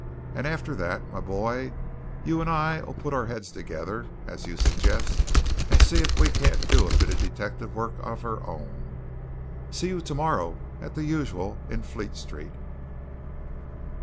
And after that, my boy, you and I'll put our heads together, as you suggest, and see if we can't do a bit of detective work of our own. See you tomorrow at the usual in Fleet Street."